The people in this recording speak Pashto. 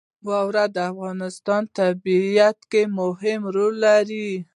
واوره د افغانستان په طبیعت کې مهم رول لري.